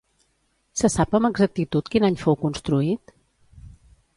Se sap amb exactitud quin any fou construït?